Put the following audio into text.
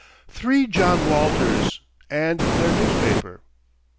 THREE JOHN WALTERS, AND THEIR NEWSPAPER.